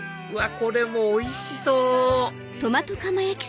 これもおいしそう！